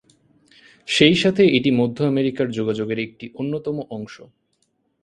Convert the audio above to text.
সেই সাথে এটি মধ্য আমেরিকার যোগাযোগের একটি অন্যতম অংশ।